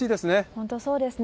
本当そうですね。